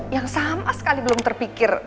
yang sama sekali belum terpikir